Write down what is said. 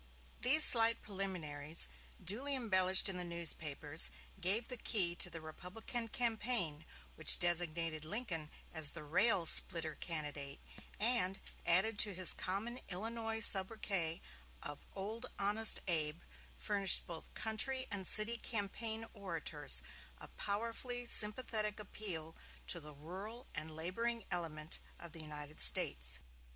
These slight preliminaries, duly embellished in the newspapers, gave the key to the Republican campaign, which designated Lincoln as the Rail splitter Candidate, and, added to his common Illinois sobriquet of "Honest Old Abe," furnished both country and city campaign orators a powerfully sympathetic appeal to the rural and laboring element of the United States.